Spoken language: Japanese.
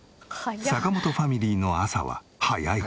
坂本ファミリーの朝は早い。